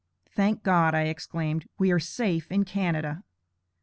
Thank God, I exclaimed, we are safe in Canada!